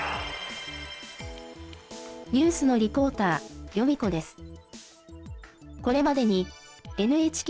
ニュースのリポーターヨミ子です。